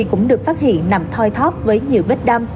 cũng được phát hiện nằm thoi thóp với nhiều vết đâm